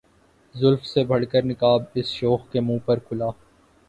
زلف سے بڑھ کر نقاب اس شوخ کے منہ پر کھلا